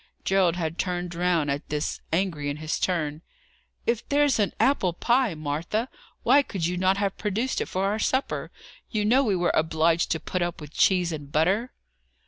Gerald had turned round at this, angry in his turn, "If there's an apple pie, Martha, why could you not have produced it for our supper? You know we were obliged to put up with cheese and butter!"